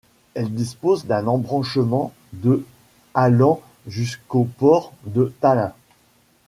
Elle dispose d'un embranchement de allant jusqu'au port de Tallin.